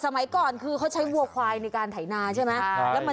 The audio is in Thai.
ไม่ใช่ขี้ปลาฉลามนะ